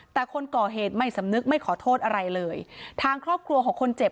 แต่คนก่อเหตุไม่สำนึกไม่ขอโทษอะไรเลยทางครอบครัวของคนเจ็บ